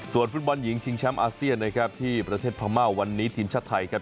ฟุตบอลหญิงชิงแชมป์อาเซียนนะครับที่ประเทศพม่าวันนี้ทีมชาติไทยครับ